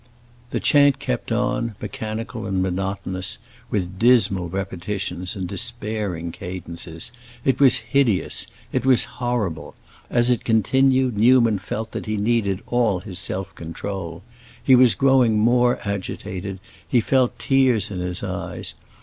The chant kept on, mechanical and monotonous, with dismal repetitions and despairing cadences. It was hideous, it was horrible; as it continued, Newman felt that he needed all his self control. He was growing more agitated; he felt tears in his eyes.